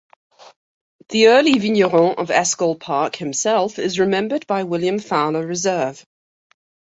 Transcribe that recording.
The early vigneron of Eschol Park himself is remembered by William Fowler Reserve.